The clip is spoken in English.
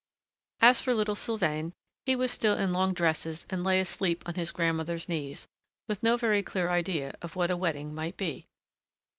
As for little Sylvain, he was still in long dresses and lay asleep on his grandmother's knees, with no very clear idea of what a wedding might be.